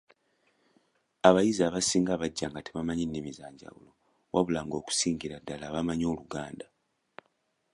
Abayizi abasinga bajja nga bamanyi ennimi ez’enjawulo wabula nga okusingira ddala bamanyi Oluganda.